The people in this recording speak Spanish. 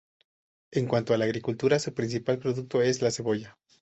En cuanto a la agricultura, su principal producto es la cebolla.